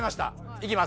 いきます。